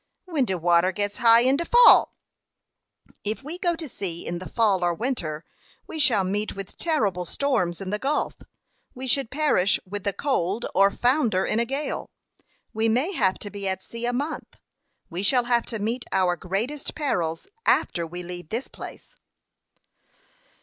"When de water gets high in de fall." "If we go to sea in the fall or winter, we shall meet with terrible storms in the Gulf. We should perish with the cold, or founder in a gale. We may have to be at sea a month. We shall have to meet our greatest perils after we leave this place."